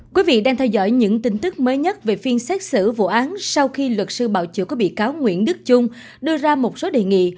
quý vị đang theo dõi những tin tức mới nhất về phiên xét xử vụ án sau khi luật sư bảo chữa của bị cáo nguyễn đức trung đưa ra một số đề nghị